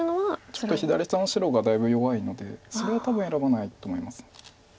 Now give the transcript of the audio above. ちょっと左下の白がだいぶ弱いのでそれは多分選ばないと思います。